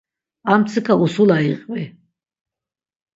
Armtsika usula iqvi.